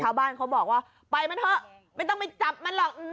เขาบอกว่าไปมันเถอะไม่ต้องไปจับมันหรอก